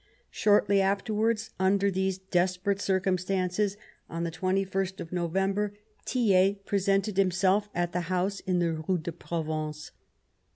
Shortly afterwards, under these desperate cir cumstances, on the 2ist of November, Thiers presented himself at the house in the Rue de Provence.